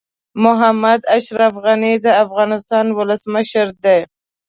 محمد اشرف غني د افغانستان ولسمشر دي.